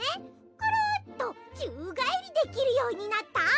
クルッとちゅうがえりできるようになったよ！